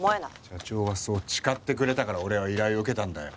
社長はそう誓ってくれたから俺は依頼を受けたんだよ。